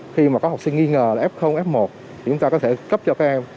khi mà có học sinh nghi ngờ là f f một thì chúng ta có thể cấp cho các em